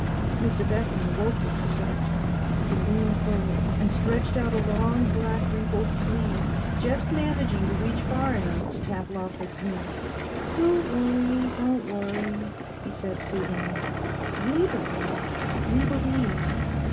Mr Bethany woke with a start. He leaned forward, and stretched out a long black wrinkled sleeve, just managing to reach far enough to tap Lawford's knee. 'Don't worry, don't worry,' he said soothingly. 'We believe, we believe.